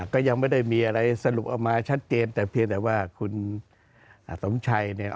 ก็ยังไม่ได้มีอะไรสรุปออกมาชัดเจนแต่เพียงแต่ว่าคุณสมชัยเนี่ย